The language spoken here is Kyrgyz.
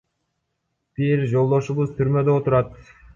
Бир жолдошубуз түрмөдө отурат.